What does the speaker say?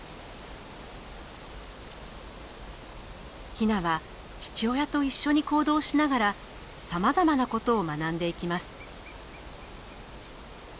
ヒナは父親と一緒に行動しながらさまざまなことを学んでいきます。